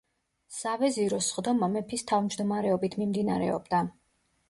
სავეზიროს სხდომა მეფის თავმჯდომარეობით მიმდინარეობდა.